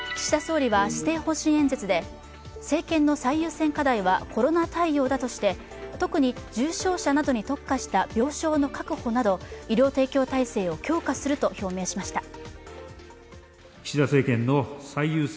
岸田総理は施政方針演説で、政権の最優先課題はコロナ対応だとして、特に重症者などに特化した病床の確保など医療提供体制を強化すると表明しました。